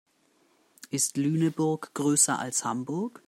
Ist Lüneburg größer als Hamburg?